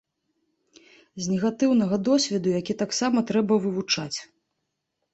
З негатыўнага досведу, які таксама трэба вывучаць.